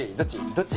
どっち？